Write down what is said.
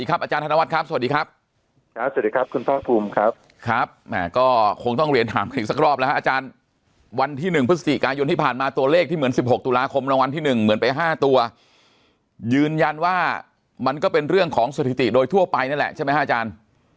อาจารย์ธนวัฒน์ครับสวัสดีครับครับสวัสดีครับคุณภาคภูมิครับครับก็คงต้องเรียนถามกันอีกสักรอบแล้วฮะอาจารย์วันที่๑พฤศจิกายนที่ผ่านมาตัวเลขที่เหมือน๑๖ตุลาคมรางวัลที่๑เหมือนไป๕ตัวยืนยันว่ามันก็เป็นเรื่องของสถิติโดยทั่วไปนั่นแหละใช่ไหมฮะอาจารย์